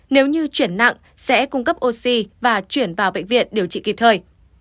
nếu như chuyển nặng sẽ cung cấp oxy và chuyển vào bệnh viện điều trị kịp thời